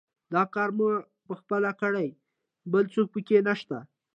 دا کار ما پخپله کړی، بل څوک پکې نشته.